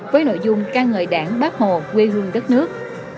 với nội dung ca ngợi đảng bác hồ quê hương đất nước